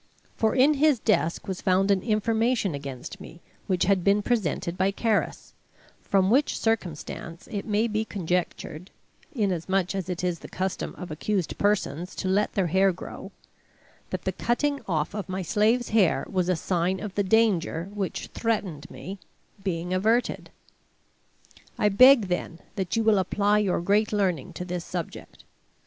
For in his desk was found an information against me which had been presented by Carus; from which circumstance it may be conjectured inasmuch as it is the custom of accused persons to let their hair grow that the cutting off of my slaves' hair was a sign of the danger which threatened me being averted. I beg, then, that you will apply your great learning to this subject.